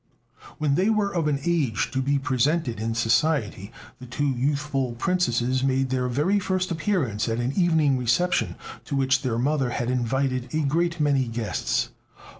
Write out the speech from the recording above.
When they were of an age to be presented in Society, the two youthful princesses made their first appearance at an evening reception, to which their mother had invited a great many guests.